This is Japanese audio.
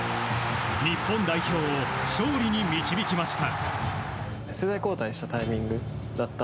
日本代表を勝利に導きました。